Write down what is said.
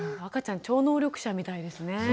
赤ちゃん超能力者みたいですね。